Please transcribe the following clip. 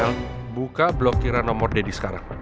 yang buka blokiran nomor deddy sekarang